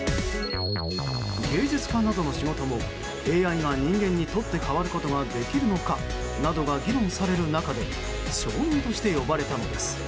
芸術家などの仕事もＡＩが人間にとって代わることができるのかなどが議論される中で証人として呼ばれたのです。